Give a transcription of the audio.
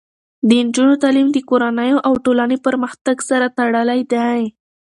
د نجونو تعلیم د کورنیو او ټولنې پرمختګ سره تړلی دی.